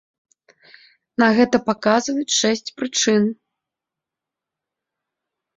На гэта паказваюць шэсць прычын.